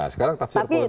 sekarang tafsir politisnya